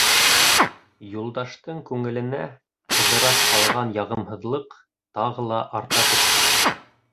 Юлдаштың күңеленә Ҡыҙырас һалған яғымһыҙлыҡ тағы ла арта төштө.